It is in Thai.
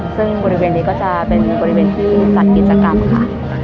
ซึ่งบริเวณนี้ก็จะเป็นบริเวณที่จัดกิจกรรมค่ะ